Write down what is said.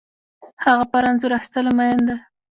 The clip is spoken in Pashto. هغه پر انځور اخیستلو مین ده